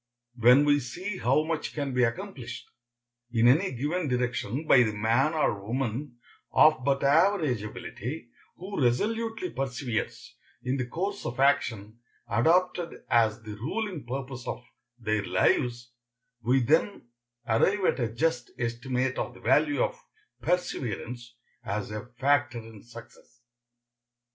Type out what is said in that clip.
When we see how much can be accomplished in any given direction by the man or woman of but average ability who resolutely perseveres in the course of action adopted as the ruling purpose of their lives, we then arrive at a just estimate of the value of perseverance as a factor in success.